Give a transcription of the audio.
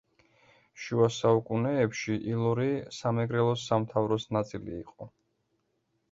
შუა საუკუნეებში ილორი სამეგრელოს სამთავროს ნაწილი იყო.